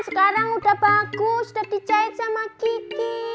sekarang sudah bagus sudah dicahit sama kiki